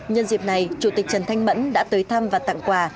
nhân dịp này chủ tịch trần thanh mẫn đã tới thăm và tặng quà